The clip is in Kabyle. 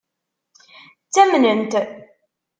Ttamnen-t?